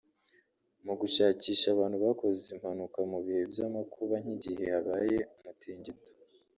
mu gushakisha abantu bakoze impanuka mu bihe by’amakuba nk’igihe habaye umutingito